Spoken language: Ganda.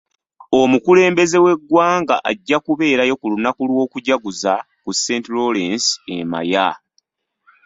Omukulembeze w'eggwanga ajja kubeerayo ku lunaku lw'okujaguza ku St. Lawrence e Maya.